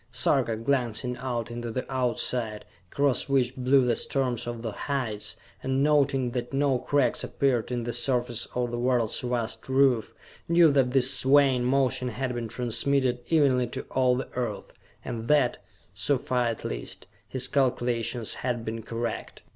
Sarka, glancing out into the Outside, across which blew the storms of the heights, and noting that no cracks appeared in the surface of the world's vast roof, knew that this swaying motion had been transmitted evenly to all the Earth, and that, so far at least, his calculations had been correct.